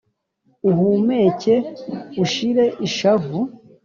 uhumeke ushire ishavu